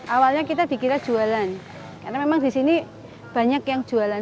awalnya kita dikira jualan karena memang di sini banyak yang jualan